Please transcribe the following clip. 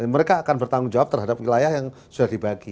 mereka akan bertanggung jawab terhadap wilayah yang sudah dibagi